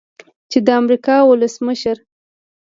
چې د امریکا ولسمشر